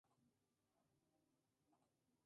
El interior se cubre con bóveda con lunetos.